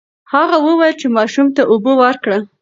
هغه وویل چې ماشوم ته اوبه ورکړه.